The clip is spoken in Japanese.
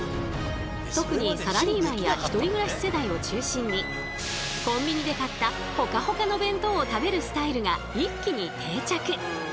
特にサラリーマンや１人暮らし世代を中心にコンビニで買ったホカホカの弁当を食べるスタイルが一気に定着。